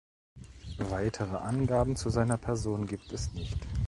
Weitere Angaben zu seiner Person gibt es nicht.